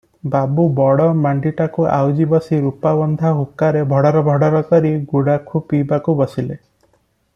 ବାବୁ ବଡ଼ ମାଣ୍ଡିଟାକୁ ଆଉଜି ବସି ରୂପାବନ୍ଧା ହୁକାରେ ଭଡ଼ର ଭଡ଼ର କରି ଗୁଡାଖୁ ପିଇବାକୁ ବସିଲେ ।